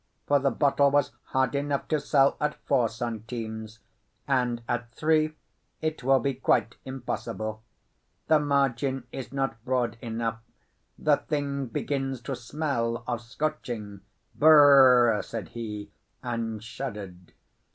For the bottle was hard enough to sell at four centimes; and at three it will be quite impossible. The margin is not broad enough, the thing begins to smell of scorching—brrr!" said he, and shuddered.